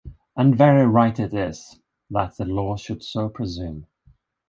And very right it is, that the law should so presume.